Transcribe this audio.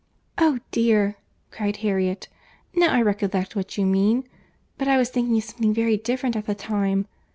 "Oh, dear," cried Harriet, "now I recollect what you mean; but I was thinking of something very different at the time.